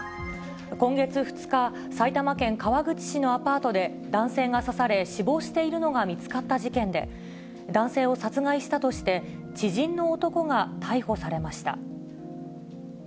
今月２日、埼玉県川口市のアパートで、男性が刺され、死亡しているのが見つかった事件で、男性を殺害したとして、知人の男が逮捕されました。